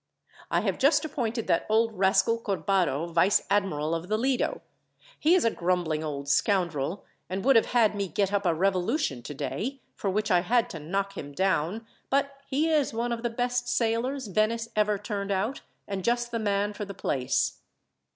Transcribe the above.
"I have just appointed that old rascal, Corbaro, vice admiral of the Lido. He is a grumbling old scoundrel, and would have had me get up a revolution today, for which I had to knock him down; but he is one of the best sailors Venice ever turned out, and just the man for the place."